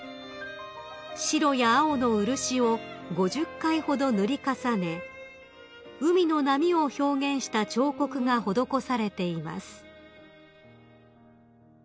［白や青の漆を５０回ほど塗り重ね海の波を表現した彫刻が施されています］